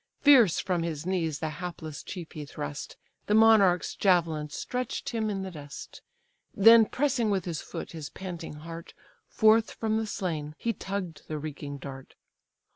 Fierce from his knees the hapless chief he thrust; The monarch's javelin stretch'd him in the dust, Then pressing with his foot his panting heart, Forth from the slain he tugg'd the reeking dart.